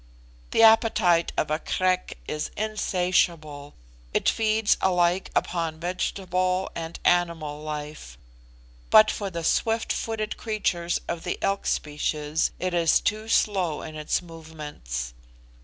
The appetite of a Krek is insatiable it feeds alike upon vegetable and animal life; but for the swift footed creatures of the elk species it is too slow in its movements.